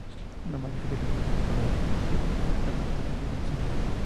Lo más difícil en la música popular es escribir, inventar una melodía sencilla.